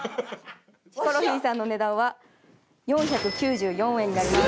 ヒコロヒーさんの値段は４９４円になります。